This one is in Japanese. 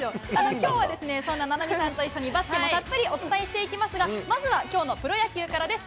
きょうは、そんな菜波さんと一緒にバスケもたっぷりお伝えしていきますが、まずはきょうのプロ野球からです。